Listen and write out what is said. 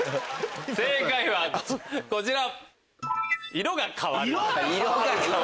正解はこちら！